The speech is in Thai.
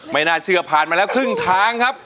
ไม่น่าเชื่อผ่านมาแล้วครึ่งทางครับ